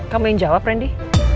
kamu yang jawab ren di